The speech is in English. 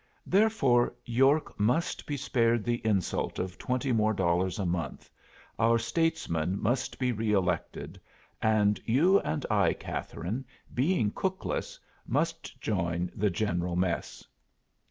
Therefore York must be spared the insult of twenty more dollars a month, our statesmen must be re elected, and you and I, Catherine, being cookless, must join the general mess."